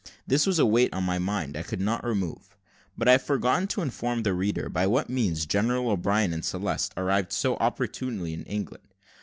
This was a weight on my mind I could not remove. But I have forgotten to inform the reader by what means General O'Brien and Celeste arrived so opportunely in England.